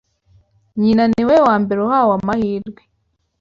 Nyina ni we wa mbere uhawe amahirwe